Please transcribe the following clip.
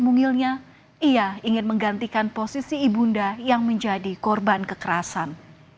mungilnya ia ingin menggantikan posisi ibu unda yang menjadi korban kekerasan